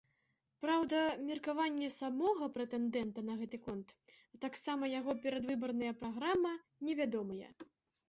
Праўда, меркаванне самога прэтэндэнта на гэты конт, а таксама яго перадвыбарная праграма невядомыя.